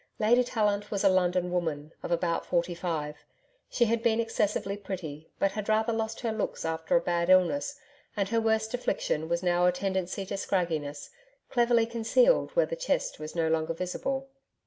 Lady Tallant was a London woman, of about forty five. She had been excessively pretty, but had rather lost her looks after a bad illness, and her worst affliction was now a tendency to scragginess, cleverly concealed where the chest was no longer visible.